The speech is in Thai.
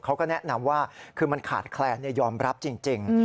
เขาก็แนะนำว่าคือมันขาดแคลนยอมรับจริง